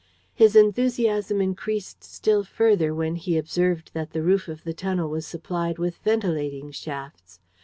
His enthusiasm increased still further when he observed that the roof of the tunnel was supplied with ventilating shafts.